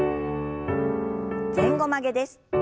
前後曲げです。